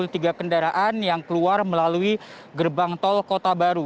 tiga kendaraan yang keluar melalui gerbang tol kota baru